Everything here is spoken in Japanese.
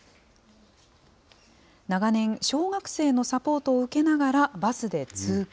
長年、小学生のサポートを受けながらバスで通勤。